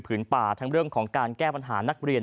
ป่าทั้งเรื่องของการแก้ปัญหานักเรียน